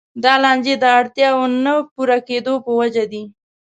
دا لانجې د اړتیاوو نه پوره کېدو په وجه دي.